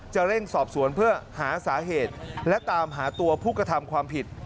เร่งสอบสวนเพื่อหาสาเหตุและตามหาตัวผู้กระทำความผิด